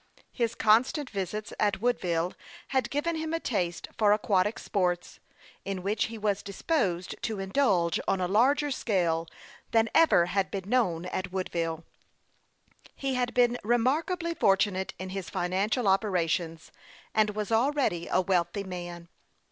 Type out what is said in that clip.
His constant visits at Woodville had given him a taste for aquatic sports, in which he was disposed to indulge on a larger scale than ever had been known at Woodville. He 4 38 HASTE AND WASTE, OR had been remarkably fortunate in his financial op erations, and was already a wealthy man.